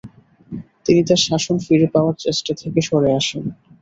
তিনি তার শাসন ফিরে পাওয়ার চেষ্টা থেকে সরে আসেন।